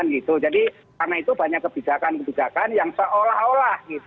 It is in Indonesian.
karena itu banyak kebijakan kebijakan yang seolah olah